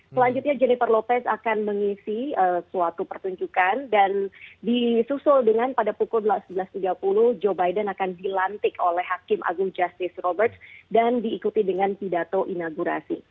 selanjutnya jennifer lopez akan mengisi suatu pertunjukan dan disusul dengan pada pukul sebelas tiga puluh joe biden akan dilantik oleh hakim agung justice robert dan diikuti dengan pidato inaugurasi